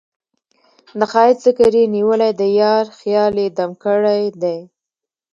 د ښــــــــایست ذکر یې نیولی د یار خیال یې دم ګړی دی